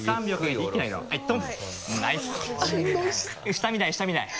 下見ない下見ない。